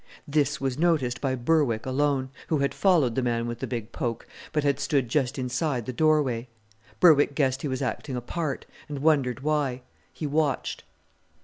This was noticed by Berwick alone, who had followed the man with the big poke, but had stood just inside the doorway. Berwick guessed he was acting a part, and wondered why. He watched.